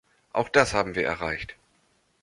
Auch das haben wir erreicht.